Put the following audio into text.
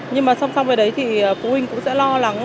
nhưng mà song song với đấy thì phụ huynh cũng sẽ lo lắng